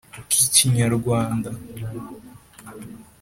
k’Ikinyarwanda.